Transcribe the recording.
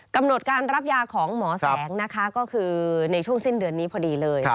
กำหนดการรับยาของหมอแสงนะคะก็คือในช่วงสิ้นเดือนนี้พอดีเลย